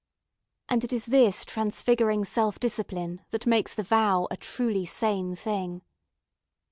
And it is this transfiguring self discipline that makes the vow a truly sane thing.